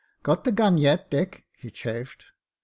"Got the gun yet, Dick?" he chaffed.